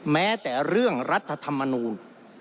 แม้แต่เรื่องรัฐธรรมนูล